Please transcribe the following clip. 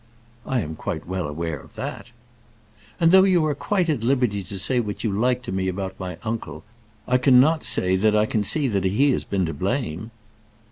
"I am quite well aware of that." "And though you are quite at liberty to say what you like to me about my uncle, I cannot say that I can see that he has been to blame."